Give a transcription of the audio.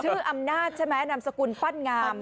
ชื่ออำนาจใช่ไหมนามสกุลปั้นงาม